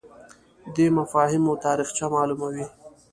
دی مفاهیمو تاریخچه معلوموي